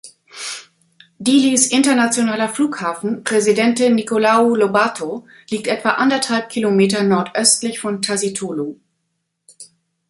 Dilis internationaler Flughafen Presidente Nicolau Lobato liegt etwa anderthalb Kilometer nordöstlich von Tasitolu.